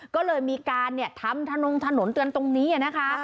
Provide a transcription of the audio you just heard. ก็เลยมีการทำทะนงถนนเตือนตรงนี้นะคะ